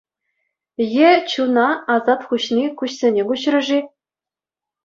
Е чуна асат хуҫни куҫсене куҫрӗ-ши?